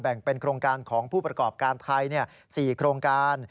เป็นโครงการของผู้ประกอบการไทย๔โครงการ